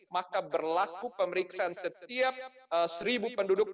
maka berlaku pemeriksaan setiap seribu penduduk